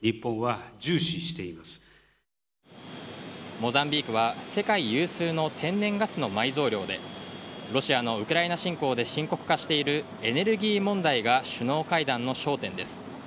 モザンビークは世界有数の天然ガスの埋蔵量でロシアのウクライナ侵攻で深刻化しているエネルギー問題が首脳会談の焦点です。